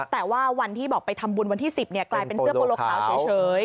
แต่ว่าวันที่บอกไปทำบุญวันที่๑๐กลายเป็นเสื้อโปโลขาวเฉย